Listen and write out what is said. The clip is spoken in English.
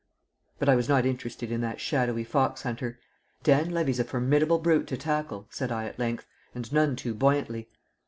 But I was not interested in that shadowy fox hunter. "Dan Levy's a formidable brute to tackle," said I at length, and none too buoyantly.